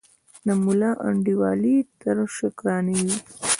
د ملا انډیوالي تر شکرانې وي